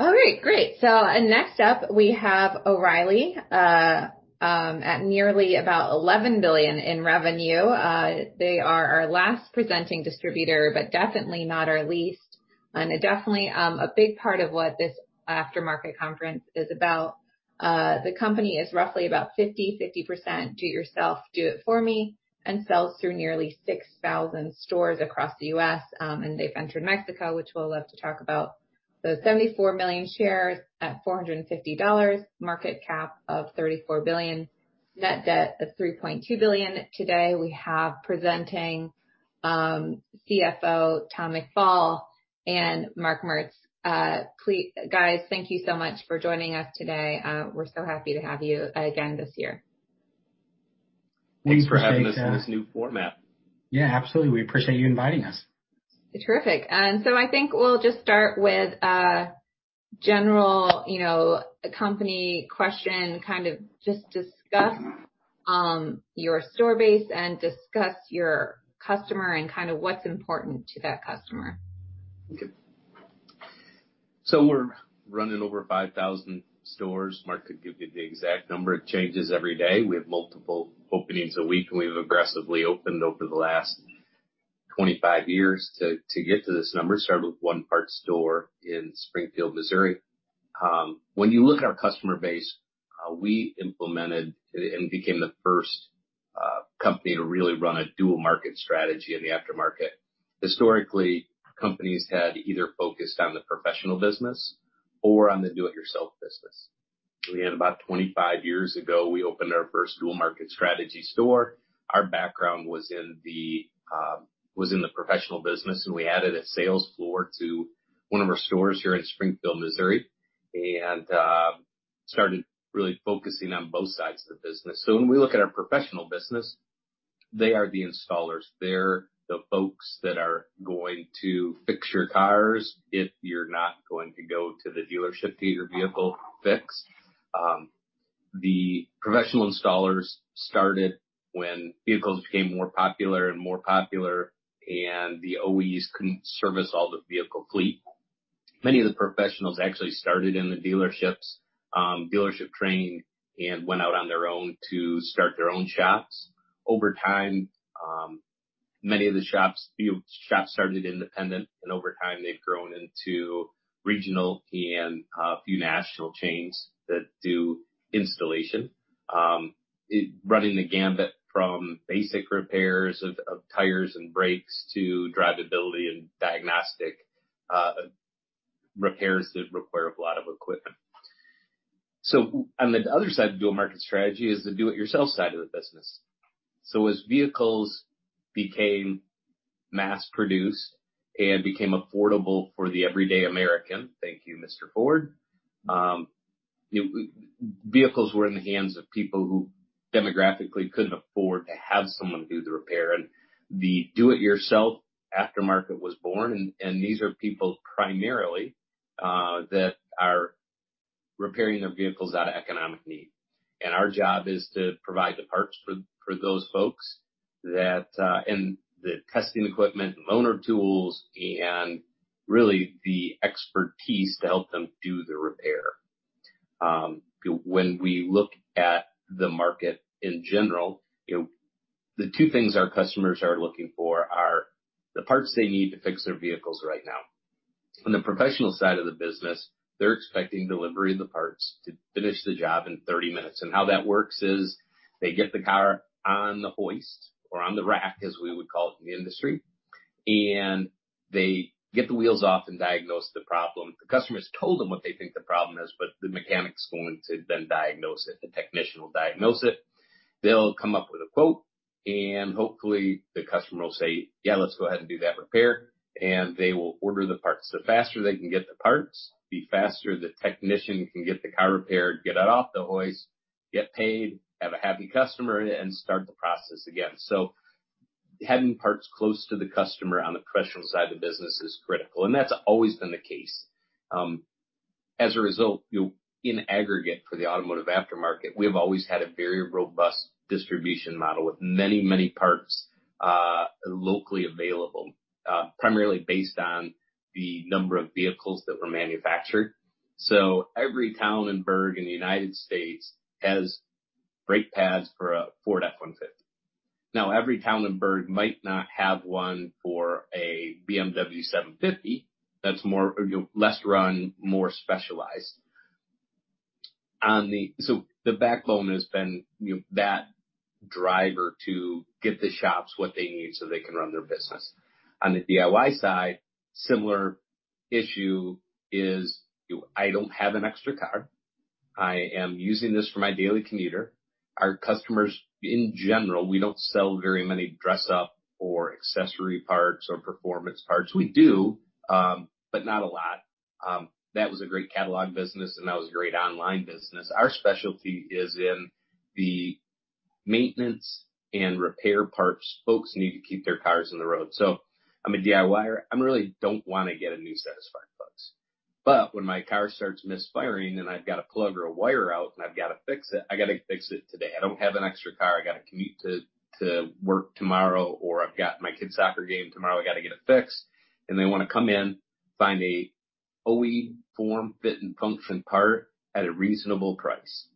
All right, great. Next up, we have O'Reilly, at nearly about $11 billion in revenue. They are our last presenting distributor, but definitely not our least. Definitely, a big part of what this aftermarket conference is about. The company is roughly about 50/50% DIY, do-it-for-me, and sells through nearly 6,000 stores across the U.S. They've entered Mexico, which we'll love to talk about. 74 million shares at $450, market cap of $34 billion, net debt of $3.2 billion. Today, we have presenting, Chief Financial Officer Tom McFall and Mark Merz. Guys, thank you so much for joining us today. We're so happy to have you again this year. Thanks for having us in this new format. Yeah, absolutely. We appreciate you inviting us. Terrific. I think we'll just start with a general, you know, company question, kind of just discuss your store base and discuss your customer and kind of what's important to that customer. We're running over 5,000 stores. Mark could give you the exact number. It changes every day. We have multiple openings a week, and we've aggressively opened over the last 25 years to get to this number. Started with one part store in Springfield, Missouri. When you look at our customer base, we implemented and became the first company to really run a dual market strategy in the aftermarket. Historically, companies had either focused on the professional business or on the do-it-yourself business. About 25 years ago, we opened our first dual market strategy store. Our background was in the professional business, and we added a sales floor to one of our stores here in Springfield, Missouri, and started really focusing on both sides of the business. When we look at our professional business, they are the installers. They're the folks that are going to fix your tires if you're not going to go to the dealership to get your vehicle fixed. The professional installers started when vehicles became more popular, and the OEs couldn't service all the vehicle fleet. Many of the professionals actually started in the dealerships, dealership trained, and went out on their own to start their own shops. Over time, many of the shops, few shops started independent, and over time, they've grown into regional and a few national chains that do installation, running the gamut from basic repairs of tires and brakes to drivability and diagnostic repairs that require a lot of equipment. On the other side of the dual market strategy is the do-it-yourself side of the business. As vehicles became mass-produced and became affordable for the everyday American, thank you, Mr. Ford, vehicles were in the hands of people who demographically couldn't afford to have someone do the repair. The do-it-yourself aftermarket was born, and these are people primarily that are repairing their vehicles out of economic need. Our job is to provide the parts for those folks, and the testing equipment, the loaner tools, and really the expertise to help them do the repair. When we look at the market in general, the two things our customers are looking for are the parts they need to fix their vehicles right now. On the professional side of the business, they're expecting delivery of the parts to finish the job in 30 minutes. How that works is they get the car on the hoist or on the rack, as we would call it in the industry, and they get the wheels off and diagnose the problem. The customer's told them what they think the problem is, but the mechanic's going to then diagnose it. The technician will diagnose it. They'll come up with a quote, and hopefully, the customer will say, "Yeah, let's go ahead and do that repair." They will order the parts. The faster they can get the parts, the faster the technician can get the car repaired, get it off the hoist, get paid, have a happy customer, and start the process again. Having parts close to the customer on the professional side of the business is critical, and that's always been the case. As a result, in aggregate for the automotive aftermarket, we've always had a very robust distribution model with many, many parts, locally available, primarily based on the number of vehicles that were manufactured. Every town and burg in the United States has brake pads for a Ford F-150. Every town and burg might not have one for a BMW 750. That's more, less run, more specialized. The backbone has been that driver to get the shops what they need so they can run their business. On the DIY side, similar issue is, I don't have an extra car. I am using this for my daily commuter. Our customers, in general, we don't sell very many dress-up or accessory parts or performance parts. We do, but not a lot. That was a great catalog business, and that was a great online business. Our specialty is in the maintenance and repair parts. Folks need to keep their cars on the road. I'm a DIYer. I really don't want to get a new set of spark plugs. When my car starts misfiring and I've got a plug or a wire out and I've got to fix it, I got to fix it today. I don't have an extra car. I got to commute to work tomorrow or I've got my kid's soccer game tomorrow. I got to get it fixed. They want to come in, find an OE form, fit, and function part at a reasonable price.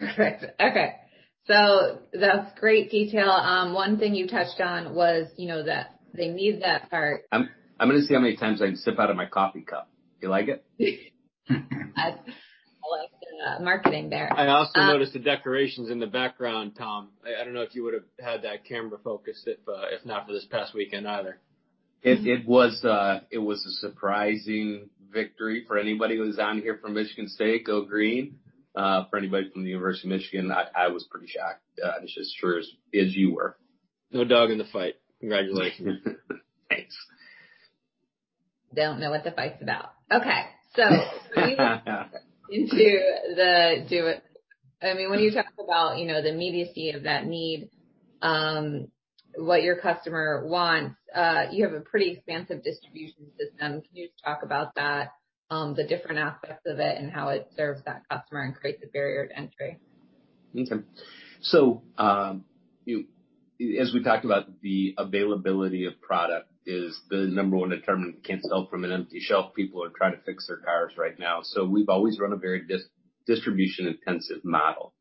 Okay, that's great detail. One thing you touched on was, you know, that they need that part. I'm going to see how many times I can sip out of my coffee cup. You like it? I like the marketing there. I also noticed the decorations in the background, Tom. I don't know if you would have had that camera focus fit if not for this past weekend either. It was a surprising victory for anybody who's on here from Michigan State. Go green. For anybody from the University of Michigan, I was pretty shocked. I'm just as sure as you were. No dog in the fight. Congratulations. Thanks. don't know what the fight's about. Okay. Moving into the do it. I mean, when you talk about, you know, the immediacy of that need, what your customer wants, you have a pretty expansive distribution system. Can you just talk about that, the different aspects of it, and how it serves that customer and creates a barrier to entry? Okay. As we talked about, the availability of product is the number one determinant. You can't sell from an empty shelf. People are trying to fix their cars right now. We've always run a very distribution-intensive model,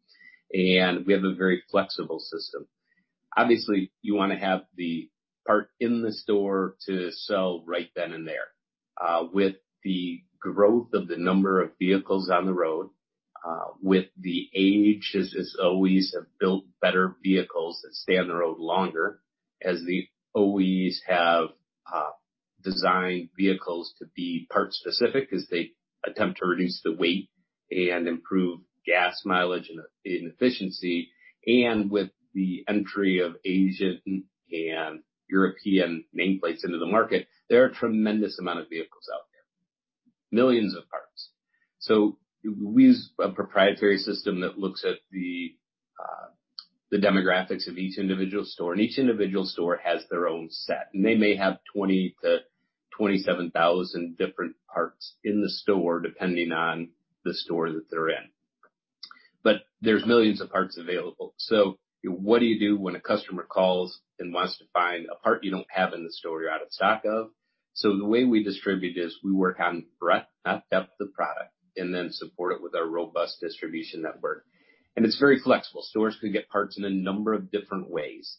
and we have a very flexible system. Obviously, you want to have the part in the store to sell right then and there. With the growth of the number of vehicles on the road, with the age, as OEs have built better vehicles that stay on the road longer, as the OEs have designed vehicles to be part-specific as they attempt to reduce the weight and improve gas mileage and efficiency, and with the entry of Asian and European nameplates into the market, there are a tremendous amount of vehicles out there. Millions of parts. We use a proprietary system that looks at the demographics of each individual store. Each individual store has their own set, and they may have 20,000-27,000 different parts in the store depending on the store that they're in, but there's millions of parts available. What do you do when a customer calls and wants to find a part you don't have in the store or you're out of stock of? The way we distribute is we work on breadth, not depth of the product, and then support it with our robust distribution network. It's very flexible. Stores can get parts in a number of different ways.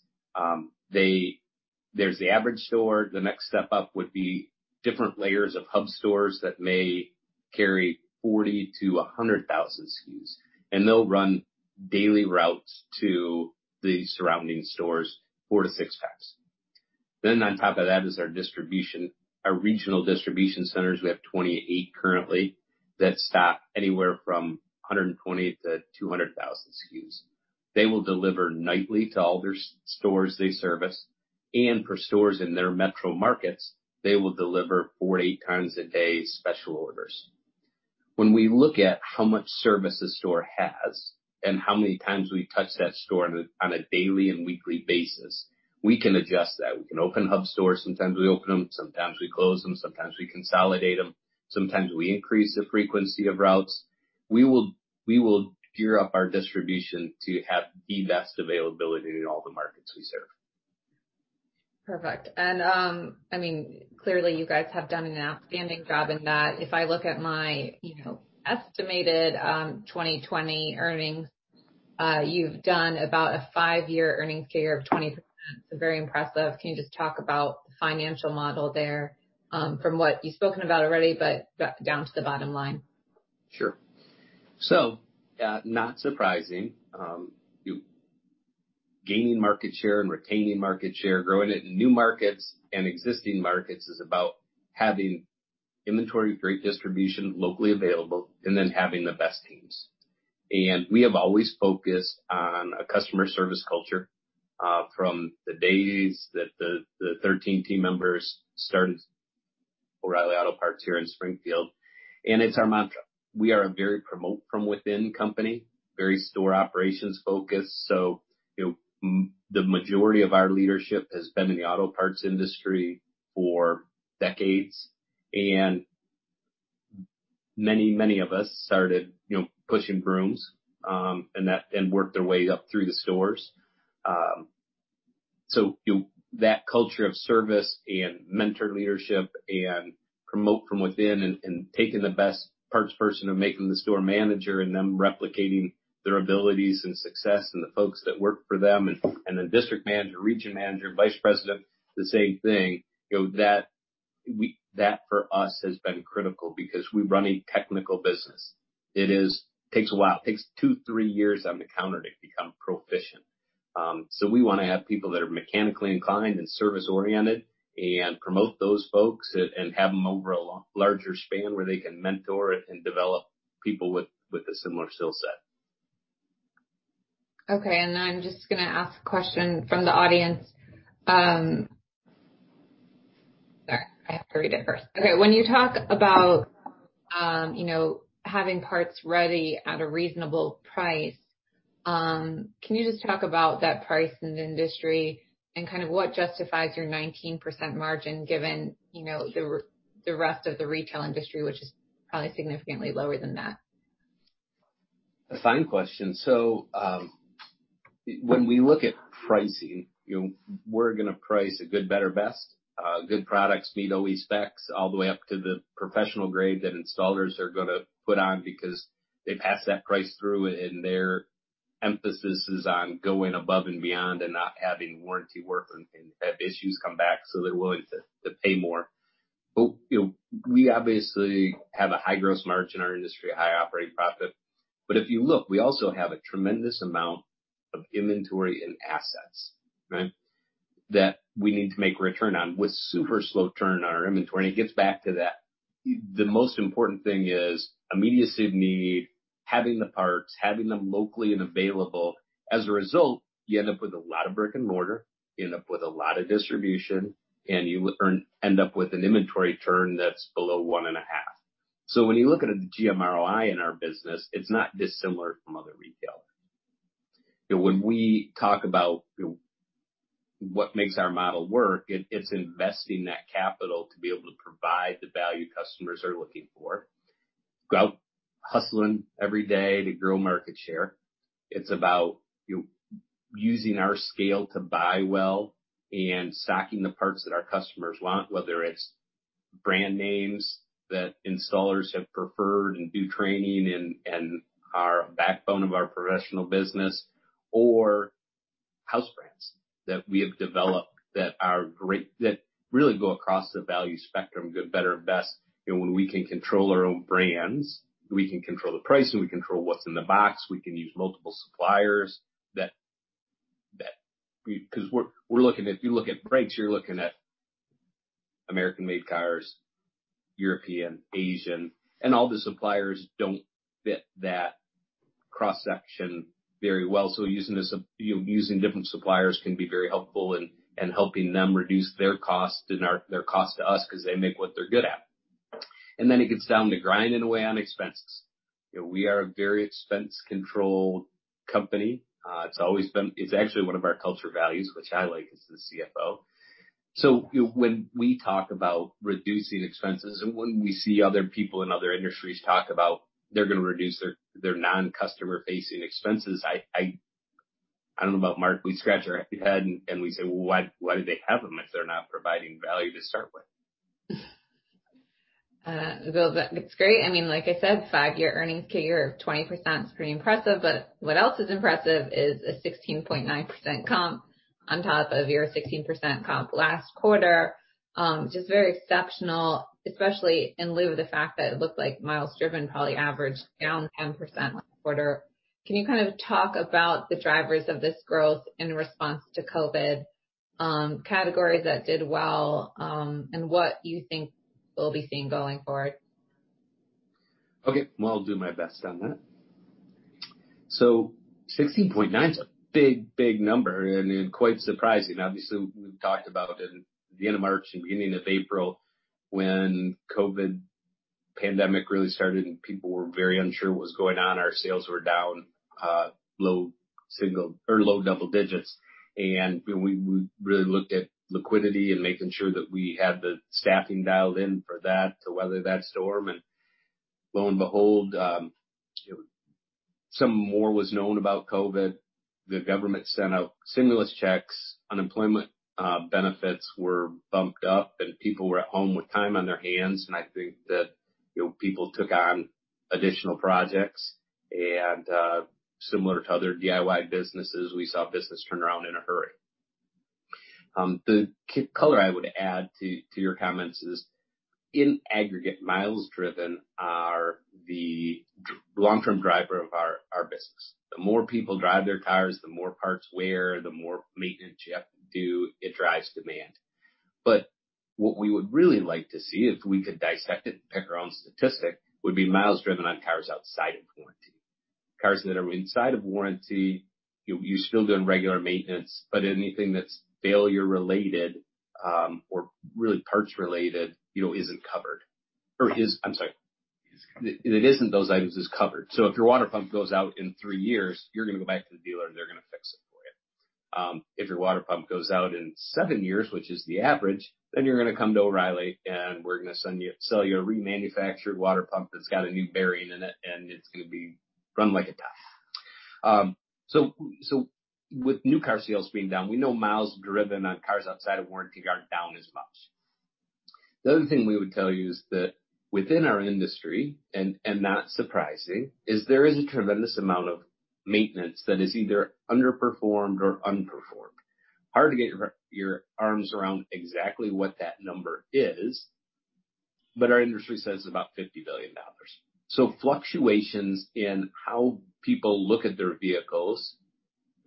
There's the average store. The next step up would be different layers of hub stores that may carry 40,000-100,000 SKUs, and they'll run daily routes to the surrounding stores four to six times. On top of that is our distribution, our regional distribution centers. We have 28 currently that stock anywhere from 120,000-200,000 SKUs. They will deliver nightly to all their stores they service, and for stores in their metro markets, they will deliver 48 times a day special orders. When we look at how much service a store has and how many times we touch that store on a daily and weekly basis, we can adjust that. We can open hub stores. Sometimes we open them. Sometimes we close them. Sometimes we consolidate them. Sometimes we increase the frequency of routes. We will gear up our distribution to have the best availability in all the markets we serve. Perfect. I mean, clearly, you guys have done an outstanding job in that. If I look at my, you know, estimated 2020 earnings, you've done about a five-year earnings figure of 20%. Very impressive. Can you just talk about the financial model there, from what you've spoken about already, but down to the bottom line? Sure. Not surprising, you gaining market share and retaining market share, growing it in new markets and existing markets is about having inventory for distribution locally available and then having the best teams. We have always focused on a customer service culture, from the days that the 13 team members started O'Reilly Automotive here in Springfield. It's our mantra. We are a very promote-from-within company, very store operations focused. The majority of our leadership has been in the auto parts industry for decades. Many, many of us started pushing brooms and worked their way up through the stores. That culture of service and mentor leadership and promote from within and taking the best parts person and making the store manager and them replicating their abilities and success and the folks that work for them and the district manager, region manager, vice president, the same thing, that for us has been critical because we run a technical business. It takes a while. It takes 2-3 years on the counter to become proficient. We want to have people that are mechanically inclined and service-oriented and promote those folks and have them over a larger span where they can mentor and develop people with a similar skill set. Okay. I'm just going to ask a question from the audience. Sorry, I have to read it first. Okay. When you talk about, you know, having parts ready at a reasonable price, can you just talk about that price in the industry and kind of what justifies your 19% margin given, you know, the rest of the retail industry, which is probably significantly lower than that? A fine question. When we look at pricing, you know, we're going to price a good, better, best. Good products meet OE specs all the way up to the professional grade that installers are going to put on because they pass that price through and their emphasis is on going above and beyond and not having warranty work and have issues come back. They're willing to pay more. You know, we obviously have a high gross margin in our industry, a high operating profit. If you look, we also have a tremendous amount of inventory and assets, right, that we need to make a return on with super slow turn on our inventory. It gets back to that. The most important thing is immediacy of need, having the parts, having them locally and available. As a result, you end up with a lot of brick and mortar. You end up with a lot of distribution, and you end up with an inventory turn that's below one and a half. When you look at the GMROI in our business, it's not dissimilar from other retail. When we talk about what makes our model work, it's investing that capital to be able to provide the value customers are looking for. Go hustling every day to grow market share. It's about, you know, using our scale to buy well and stocking the parts that our customers want, whether it's brand names that installers have preferred and do training and are a backbone of our professional business or house brands that we have developed that are great, that really go across the value spectrum, good, better, and best. You know, when we can control our own brands, we can control the pricing, we control what's in the box, we can use multiple suppliers that, because we're looking at, you look at brakes, you're looking at American-made cars, European, Asian, and all the suppliers don't fit that cross-section very well. Using different suppliers can be very helpful in helping them reduce their cost and their cost to us because they make what they're good at. It gets down to grinding away on expenses. We are a very expense-controlled company. It's always been, it's actually one of our culture values, which I like as the CFO. When we talk about reducing expenses and when we see other people in other industries talk about they're going to reduce their non-customer-facing expenses, I don't know about Mark. We scratch our head and we say, why do they have them if they're not providing value to start with? That's great. I mean, like I said, five-year earnings figure of 20% is pretty impressive, but what else is impressive is a 16.9% comp on top of your 16% comp last quarter. Just very exceptional, especially in lieu of the fact that it looked like miles driven probably averaged down 10% last quarter. Can you kind of talk about the drivers of this growth in response to COVID, categories that did well, and what you think we'll be seeing going forward? Okay. I'll do my best on that. 16.9% is a big, big number and quite surprising. Obviously, we talked about it at the end of March and beginning of April when the COVID pandemic really started and people were very unsure what was going on. Our sales were down, low single or low double digits. You know, we really looked at liquidity and making sure that we had the staffing dialed in to weather that storm. Lo and behold, some more was known about COVID. The government sent out stimulus checks, unemployment benefits were bumped up, and people were at home with time on their hands. I think that people took on additional projects. Similar to other DIY businesses, we saw business turn around in a hurry. The color I would add to your comments is in aggregate, miles driven are the long-term driver of our business. The more people drive their cars, the more parts wear, the more maintenance you have to do, it drives demand. What we would really like to see, if we could dissect it and pick our own statistic, would be miles driven on cars outside of warranty. Cars that are inside of warranty, you know, you're still doing regular maintenance, but anything that's failure-related, or really parts-related, isn't covered. I'm sorry, it isn't those items that's covered. If your water pump goes out in three years, you're going to go back to the dealer and they're going to fix it for you. If your water pump goes out in seven years, which is the average, then you're going to come to O'Reilly and we're going to sell you a remanufactured water pump that's got a new bearing in it and it's going to run like a top. With new car sales being down, we know miles driven on cars outside of warranty are down as much. The other thing we would tell you is that within our industry, and not surprising, there is a tremendous amount of maintenance that is either underperformed or unperformed. Hard to get your arms around exactly what that number is, but our industry says it's about $50 billion. Fluctuations in how people look at their vehicles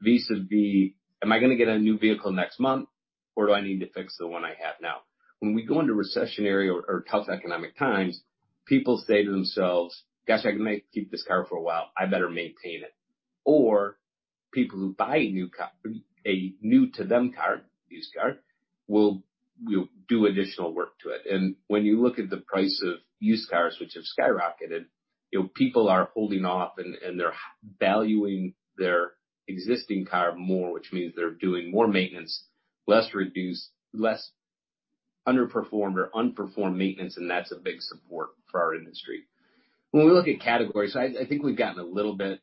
vis-à-vis, am I going to get a new vehicle next month or do I need to fix the one I have now? When we go into recessionary or tough economic times, people say to themselves, "Gosh, I can keep this car for a while. I better maintain it." People who buy a new car, a new-to-them car, used car, will do additional work to it. When you look at the price of used cars, which have skyrocketed, people are holding off and they're valuing their existing car more, which means they're doing more maintenance, less reduced, less underperformed or unperformed maintenance, and that's a big support for our industry. When we look at categories, I think we've gotten a little bit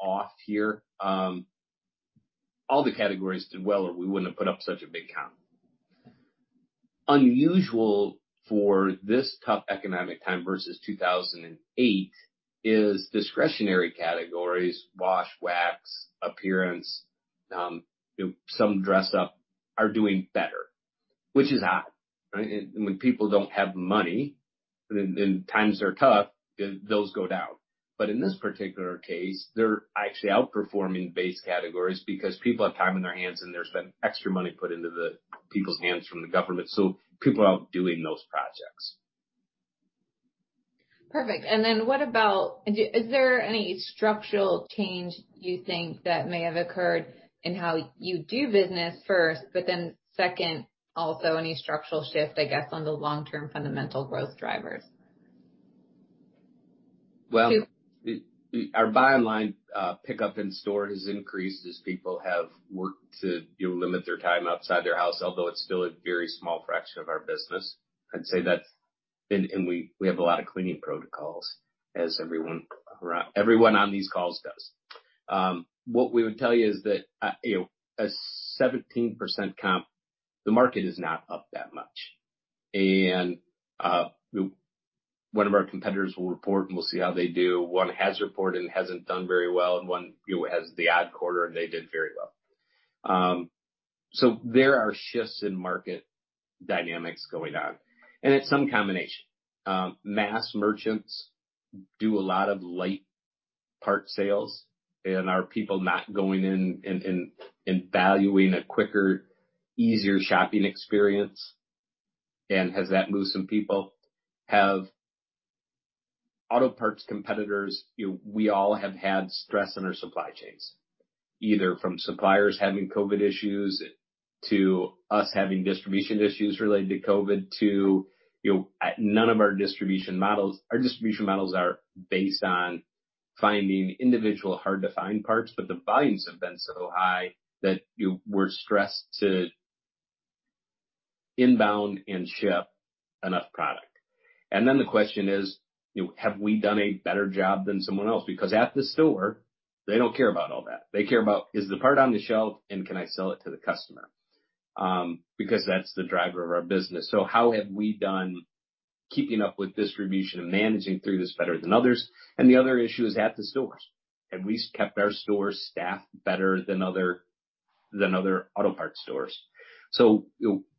off here. All the categories did well or we wouldn't have put up such a big count. Unusual for this tough economic time versus 2008 is discretionary categories, wash, wax, appearance, some dress-up are doing better, which is odd, right? When people don't have money and times are tough, those go down. In this particular case, they're actually outperforming base categories because people have time on their hands and there's been extra money put into people's hands from the government. People are out doing those projects. Perfect. Is there any structural change you think that may have occurred in how you do business first, but then second, also any structural shift, I guess, on the long-term fundamental growth drivers? Our bottom line pickup in store has increased as people have worked to limit their time outside their house, although it's still a very small fraction of our business. I'd say that's, and we have a lot of cleaning protocols as everyone, everyone on these calls does. What we would tell you is that, you know, a 17% comp, the market is not up that much. One of our competitors will report and we'll see how they do. One has reported and hasn't done very well, and one has the odd quarter and they did very well. There are shifts in market dynamics going on. It's some combination. Mass merchants do a lot of light part sales. Are people not going in and valuing a quicker, easier shopping experience? Has that moved some people? Have auto parts competitors, you know, we all have had stress in our supply chains, either from suppliers having COVID issues to us having distribution issues related to COVID. None of our distribution models are based on finding individual hard-to-find parts, but the volumes have been so high that, you know, we're stressed to inbound and ship enough product. The question is, you know, have we done a better job than someone else? Because at the store, they don't care about all that. They care about, is the part on the shelf and can I sell it to the customer? That's the driver of our business. How have we done keeping up with distribution and managing through this better than others? The other issue is at the stores. Have we kept our store staffed better than other auto parts stores?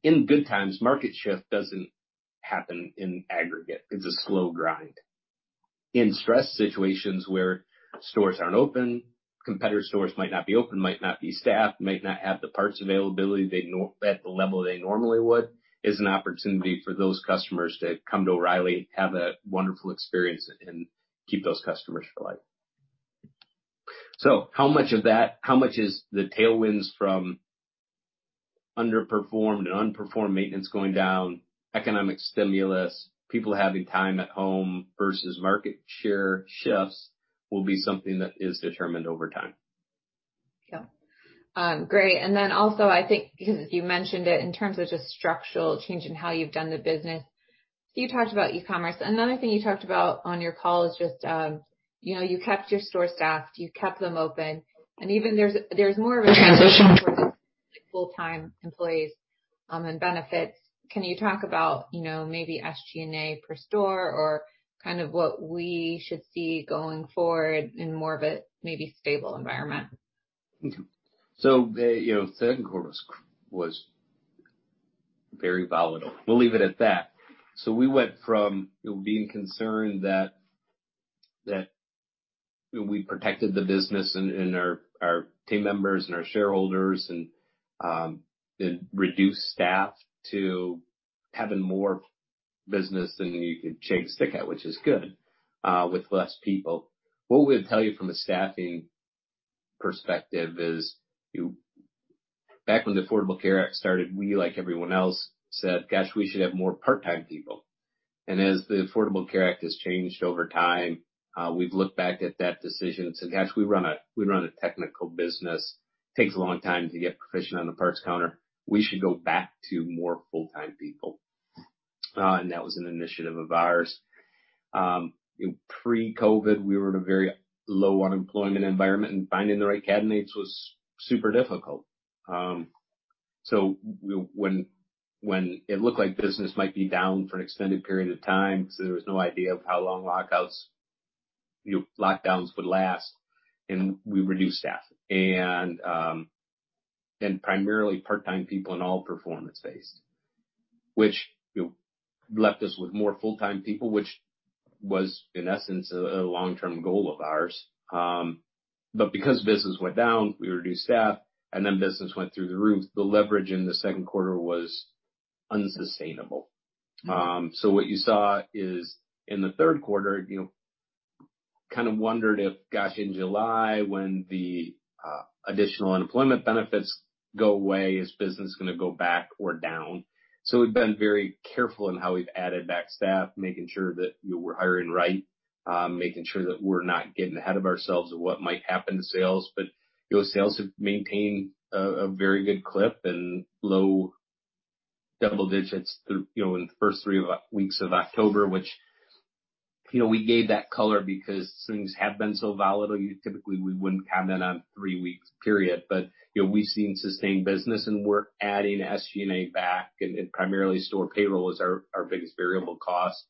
In good times, market shift doesn't happen in aggregate. It's a slow grind. In stress situations where stores aren't open, competitor stores might not be open, might not be staffed, might not have the parts availability at the level they normally would, is an opportunity for those customers to come to O'Reilly, have a wonderful experience, and keep those customers for life. How much of that, how much is the tailwinds from underperformed and unperformed maintenance going down, economic stimulus, people having time at home versus market share shifts will be something that is determined over time. Great. I think you mentioned it in terms of just structural change in how you've done the business. You talked about e-commerce. Another thing you talked about on your call is you kept your store staffed, you kept them open, and even there's more of a transition towards full-time employees and benefits. Can you talk about maybe SG&A per store or kind of what we should see going forward in more of a maybe stable environment? Okay. The second quarter was very volatile. We'll leave it at that. We went from being concerned that we protected the business and our team members and our shareholders and reduced staff to having more business than you could shake a stick at, which is good, with less people. What we would tell you from a staffing perspective is, you know, back when the Affordable Care Act started, we, like everyone else, said, "Gosh, we should have more part-time people." As the Affordable Care Act has changed over time, we've looked back at that decision and said, "Gosh, we run a technical business. It takes a long time to get proficient on the parts counter. We should go back to more full-time people." That was an initiative of ours. Pre-COVID, we were in a very low unemployment environment and finding the right candidates was super difficult. When it looked like business might be down for an extended period of time, there was no idea of how long lockdowns would last, and we reduced staff. Primarily part-time people in all performance-based, which left us with more full-time people, which was, in essence, a long-term goal of ours. Because business went down, we reduced staff, and then business went through the roof. The leverage in the second quarter was unsustainable. In the third quarter, you kind of wondered if, gosh, in July, when the additional unemployment benefits go away, is business going to go back or down? We've been very careful in how we've added back staff, making sure that we're hiring right, making sure that we're not getting ahead of ourselves of what might happen to sales. Those sales have maintained a very good clip and low double digits in the first three weeks of October, which, you know, we gave that color because things have been so volatile. Typically, we wouldn't comment on a three-week period. We've seen sustained business, and we're adding SG&A back, and primarily store payroll is our biggest variable cost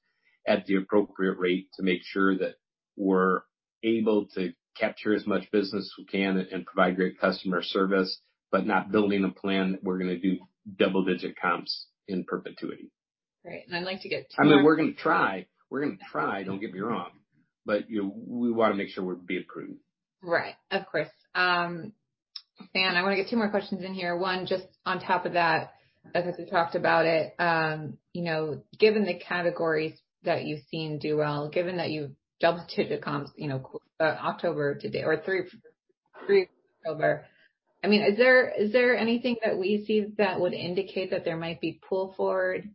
at the appropriate rate to make sure that we're able to capture as much business as we can and provide great customer service, but not building a plan that we're going to do double-digit comps in perpetuity. Right. I'd like to get. We're going to try, don't get me wrong. We want to make sure we're being prudent. Right. Of course. I want to get two more questions in here. One, just on top of that, as we've talked about it, given the categories that you've seen do well, given that you've double-digit comps, you know, October to date or through October, I mean, is there anything that we see that would indicate that there might be pull forward?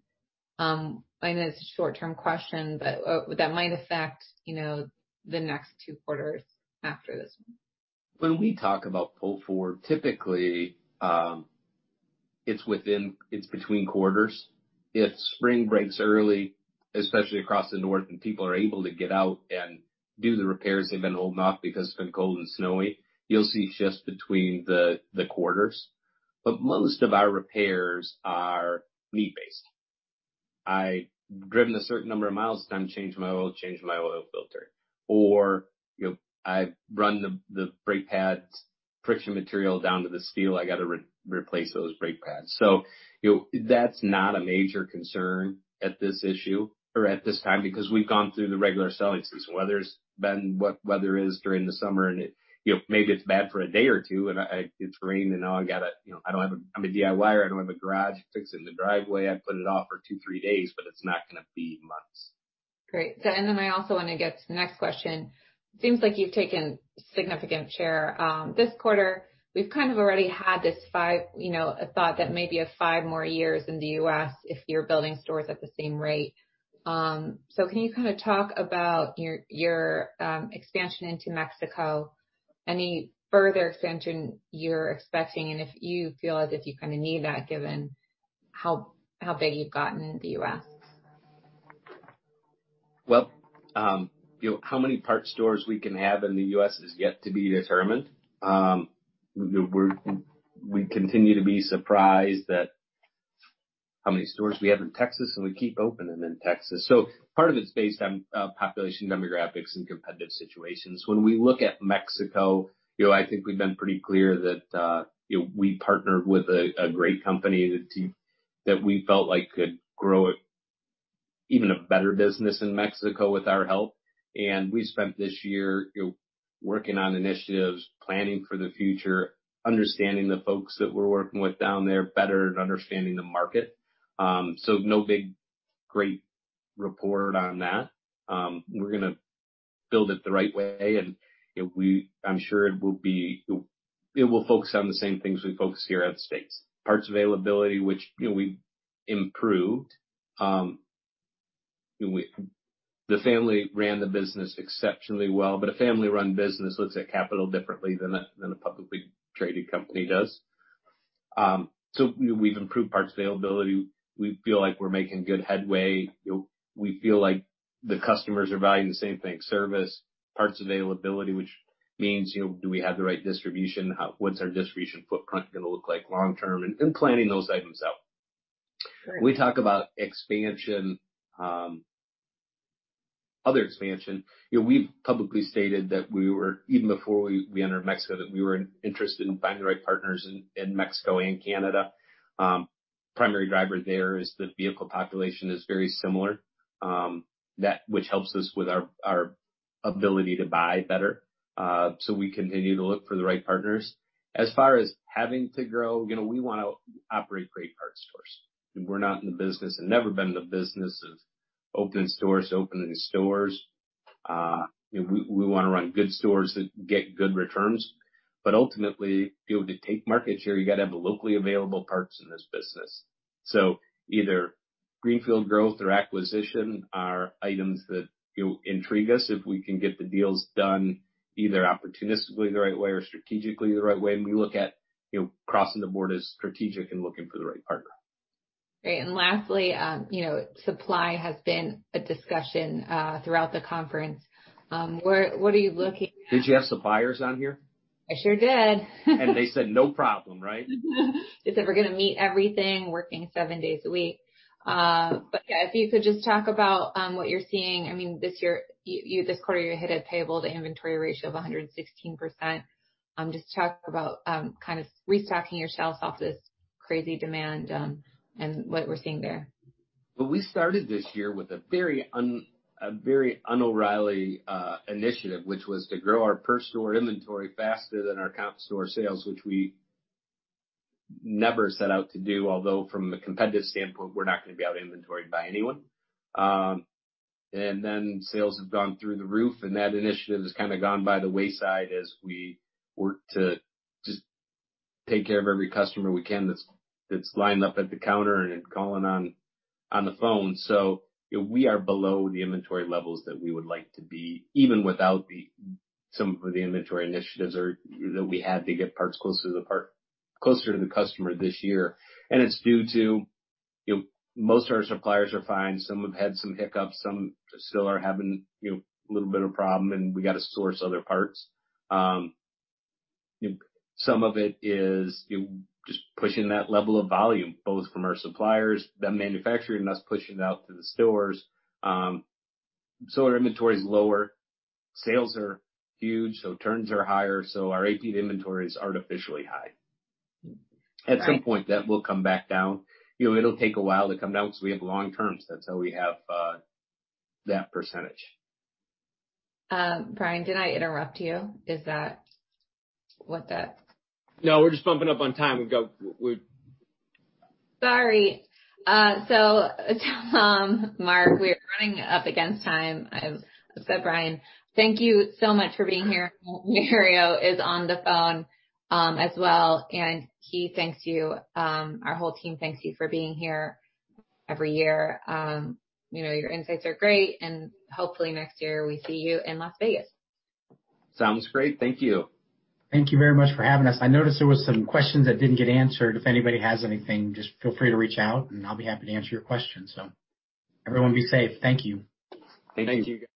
I know it's a short-term question, but that might affect the next two quarters after this one. When we talk about pull forward, typically, it's within, it's between quarters. If spring breaks early, especially across the north, and people are able to get out and do the repairs they've been holding off because it's been cold and snowy, you'll see shifts between the quarters. Most of our repairs are need-based. I grim the certain number of miles, time to change my oil, change my oil filter. Or, you know, I run the brake pads, friction material down to the steel. I got to replace those brake pads. That's not a major concern at this issue or at this time because we've gone through the regular selling season. Weather's been what weather is during the summer, and maybe it's bad for a day or two, and it's raining, and now I got to, you know, I don't have a, I'm a DIYer. I don't have a garage fixing the driveway. I put it off for two, three days, but it's not going to be months. Great. I also want to get to the next question. It seems like you've taken significant share this quarter. We've kind of already had this thought that maybe five more years in the U.S. if you're building stores at the same rate. Can you kind of talk about your expansion into Mexico, any further expansion you're expecting, and if you feel as if you kind of need that given how big you've gotten in the U.S.? How many parts stores we can have in the U.S. is yet to be determined. We continue to be surprised at how many stores we have in Texas, and we keep opening in Texas. Part of it's based on population demographics and competitive situations. When we look at Mexico, I think we've been pretty clear that we partnered with a great company that we felt like could grow an even better business in Mexico with our help. We spent this year working on initiatives, planning for the future, understanding the folks that we're working with down there better, and understanding the market. No big great report on that. We're going to build it the right way. I'm sure it will focus on the same things we focus on here in the States: parts availability, which we've improved. The family ran the business exceptionally well, but a family-run business looks at capital differently than a publicly traded company does. We've improved parts availability. We feel like we're making good headway. We feel like the customers are valuing the same thing: service, parts availability, which means, do we have the right distribution? What's our distribution footprint going to look like long-term in planning those items out? We talk about expansion, other expansion. We've publicly stated that we were, even before we entered Mexico, interested in finding the right partners in Mexico and Canada. The primary driver there is the vehicle population is very similar, which helps us with our ability to buy better. We continue to look for the right partners. As far as having to grow, we want to operate great parts stores. We're not in the business and never been in the business of opening stores, opening stores. We want to run good stores that get good returns. Ultimately, to take market share, you got to have locally available parts in this business. Either greenfield growth or acquisition are items that intrigue us if we can get the deals done either opportunistically the right way or strategically the right way. We look at crossing the board as strategic and looking for the right partner. Great. Lastly, you know, supply has been a discussion throughout the conference. What are you looking at? Did you have suppliers on here? I sure did. They said, "No problem," right? They said, "We're going to meet everything, working seven days a week." If you could just talk about what you're seeing. I mean, this year, you, this quarter, you hit a payable to inventory ratio of 116%. Just talk about kind of restacking yourself off this crazy demand and what we're seeing there. We started this year with a very un-O'Reilly initiative, which was to grow our per-store inventory faster than our comp store sales, which we never set out to do. Although from a competitive standpoint, we're not going to be out of inventory by anyone. Sales have gone through the roof, and that initiative has kind of gone by the wayside as we work to just take care of every customer we can that's lined up at the counter and calling on the phone. You know, we are below the inventory levels that we would like to be, even without some of the inventory initiatives that we had to get parts closer to the customer this year. It's due to, you know, most of our suppliers are fine. Some have had some hiccups. Some still are having, you know, a little bit of a problem, and we got to source other parts. You know, some of it is just pushing that level of volume, both from our suppliers, the manufacturer, and us pushing it out to the stores. Our inventory is lower. Sales are huge, so turns are higher. Our AP inventory is artificially high. At some point, that will come back down. It'll take a while to come down because we have long turns. That's how we have that percentage. Brian, did I interrupt you? Is that what that is? No, we're just bumping up on time. We've got—we're. Sorry, Mark, we are running up against time. I'm upset, Brian. Thank you so much for being here. Mario is on the phone as well, and he thanks you. Our whole team thanks you for being here every year. You know, your insights are great, and hopefully next year we see you in Las Vegas. Sounds great. Thank you. Thank you very much for having us. I noticed there were some questions that didn't get answered. If anybody has anything, just feel free to reach out, and I'll be happy to answer your questions. Everyone be safe. Thank you. Thank you. Thank you.